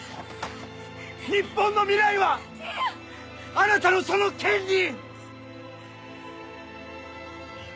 日本の未来はあなたのその剣に！